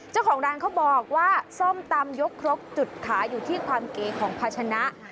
เจ้าของร้านเขาบอกว่าส้มตำยกครกจุดขายอยู่ที่ความเก๋ของภาชนะ